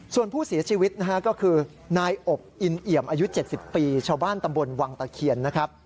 ส่วนผู้เสียชีวิตนะฮะก็คือนายอบอินเอี่ยมอายุ๗๐ปีชาวบ้านตำบลวังตะเคียนนะครับ